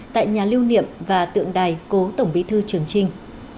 tại nhà lưu niệm và tượng đài cố tổng bí thư trường trinh